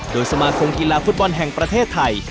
โดยสมาคมกีฬาฟุตบอลแห่งประเทศไทย